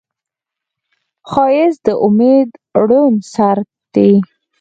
ښایست د امید روڼ څرک دی